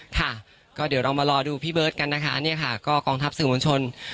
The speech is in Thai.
ค่ะก็เดี๋ยวเรามารอดูพี่เบิร์ตกันนะคะเนี่ยค่ะก็กองทัพสื่อมวลชน